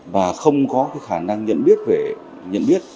và không có khả năng nhận biết về